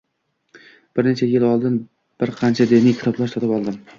"Bir necha yil oldin bir qancha diniy kitoblar sotib oldim.